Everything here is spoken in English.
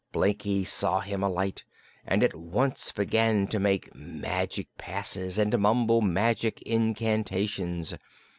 Blinkie saw him alight and at once began to make magic passes and to mumble magic incantations.